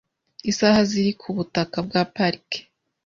isaha ziri ku butaka bwa pariki.